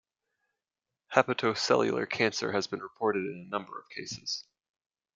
Hepatocellular cancer has been reported in a number of cases.